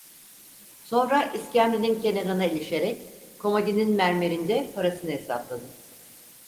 Sonra iskemlenin kenarına ilişerek komodinin mermerinde parasını hesapladı.